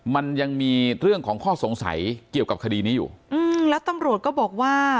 มันยังมีเรื่องของข้อสงสัยเกี่ยวกับคดีนี้อยู่อืมแล้วตำรวจก็บอกว่า